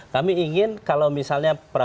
kami ingin kalau misalnya